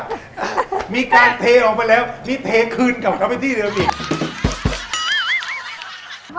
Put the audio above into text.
นุกอ่ะมีการเทออกไปแล้วมีเทคืนกับเขาไปที่เริ่มอีก